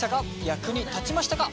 役に立ちましたか？